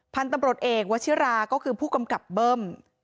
พันธุ์ตำรวจเอกวชิราก็คือผู้กำกับเบิ้ม